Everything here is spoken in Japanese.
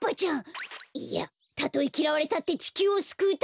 いやたとえきらわれたってちきゅうをすくうためだ！